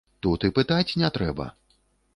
Тут і пытаць не трэба.